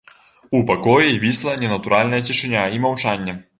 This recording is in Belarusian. У пакоі вісла ненатуральная цішыня і маўчанне.